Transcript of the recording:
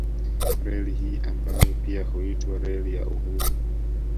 Reli hii ambayo pia huitwa Reli ya Uhuru